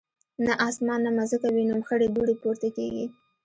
نه اسمان نه مځکه وینم خړي دوړي پورته کیږي